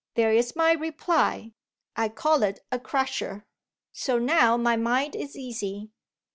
There is my reply! I call it a crusher. "So now my mind is easy.